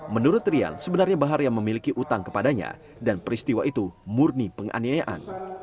menurut rian sebenarnya bahar yang memiliki utang kepadanya dan peristiwa itu murni penganiayaan